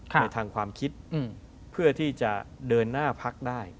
ในทางความคิดเพื่อที่จะเดินหน้าพักได้